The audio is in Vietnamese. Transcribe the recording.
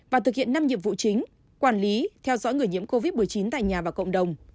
và thực hiện năm nhiệm vụ chính quản lý theo dõi người nhiễm covid một mươi chín tại nhà và cộng đồng